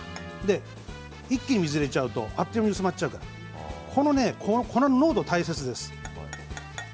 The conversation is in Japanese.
一気に水を入れちゃうとあっという間に薄まっちゃうからこの濃度が大切です。